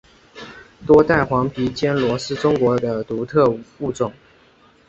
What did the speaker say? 多带黄皮坚螺是中国的特有物种。